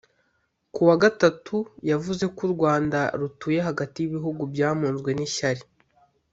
ku wa Gatatu yavuze ko u Rwanda rutuye hagati y’ibihugu byamunzwe n’ishyari